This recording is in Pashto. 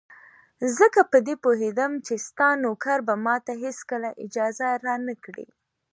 ځکه په دې پوهېدم چې ستا نوکر به ماته هېڅکله اجازه را نه کړي.